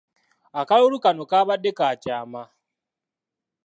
Akalulu kano kabadde ka kyama .